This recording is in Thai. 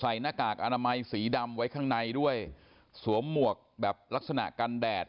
หน้ากากอนามัยสีดำไว้ข้างในด้วยสวมหมวกแบบลักษณะกันแดด